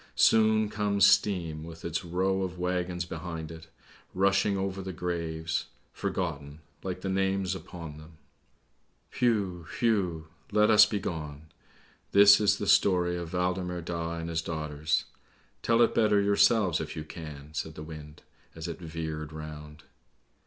Soon comes Steam with its row of waggons behind it, rushing over the graves, forgotten, like the names upon them. Whew! whew! Let us be gone! This is the story of Waldemar Daa and his daughters. Tell it better yourselves, if you can," said the wind, as it veered round.